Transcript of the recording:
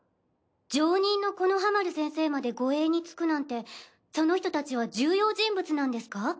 上忍の木ノ葉丸先生まで護衛につくなんてその人たちは重要人物なんですか？